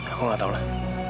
aku gak tau lah